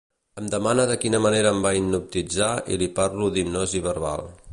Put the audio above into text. Em demana de quina manera em va hipnotitzar i li parlo d'hipnosi verbal.